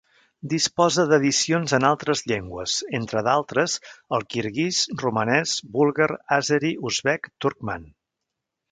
Disposa d'edicions en altres llengües, entre d'altres el kirguís, romanès, búlgar, àzeri, uzbek, turcman.